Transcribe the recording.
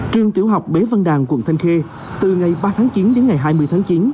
trường tiểu học bế văn đàn quận thanh khê từ ngày ba tháng chín đến ngày hai mươi tháng chín